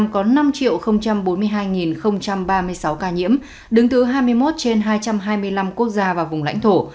có năm bốn mươi hai ba mươi sáu ca nhiễm đứng thứ hai mươi một trên hai trăm hai mươi năm quốc gia và vùng lãnh thổ